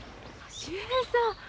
秀平さん。